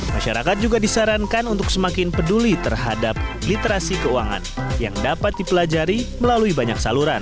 masyarakat juga disarankan untuk semakin peduli terhadap literasi keuangan yang dapat dipelajari melalui banyak saluran